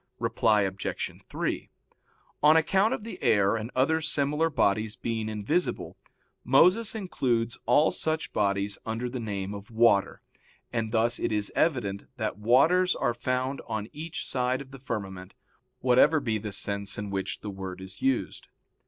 Reply Obj. 3: On account of the air and other similar bodies being invisible, Moses includes all such bodies under the name of water, and thus it is evident that waters are found on each side of the firmament, whatever be the sense in which the word is used.